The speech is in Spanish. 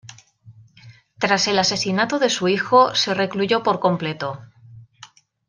Tras el asesinato de su hijo, se recluyó por completo.